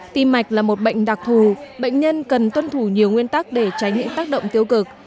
tim mạch là một bệnh đặc thù bệnh nhân cần tuân thủ nhiều nguyên tắc để tránh những tác động tiêu cực